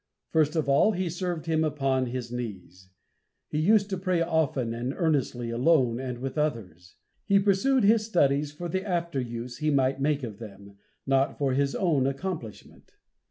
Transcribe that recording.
First of all, he served Him upon his knees. He used to pray often and earnestly, alone and with others. He pursued his studies for the after use he might make of them, not for his own accomplishment.